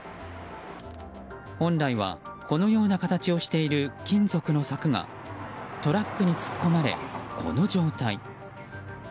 本来はこのような形をしている金属の柵がトラックに突っ込まれ、この状態。